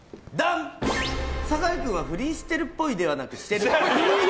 酒井君は不倫してるっぽいではなくしてる。